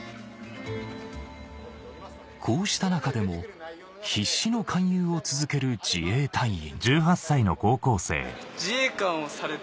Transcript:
こうした中でも必死の勧誘を続ける自衛隊員